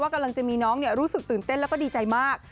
กำลังจะมีน้องรู้สึกตื่นเต้นแล้วก็ดีใจมาก